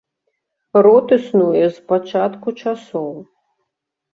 Род існуе з пачатку часоў.